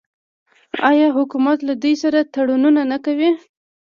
آیا حکومت له دوی سره تړونونه نه کوي؟